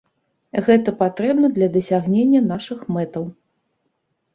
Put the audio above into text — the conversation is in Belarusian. Гэта патрэбна для дасягнення нашых мэтаў.